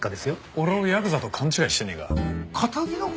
俺をヤクザと勘違いしてねえか？